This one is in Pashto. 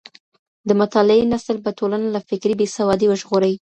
د مطالعې نسل به ټولنه له فکري بېسوادۍ وژغوري.